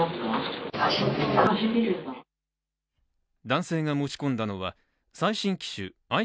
男性が持ち込んだのは最新機種